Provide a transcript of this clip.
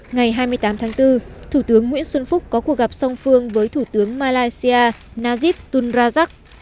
ngày hai mươi tám tháng bốn thủ tướng nguyễn xuân phúc có cuộc gặp song phương với thủ tướng malaysia najib tun rajak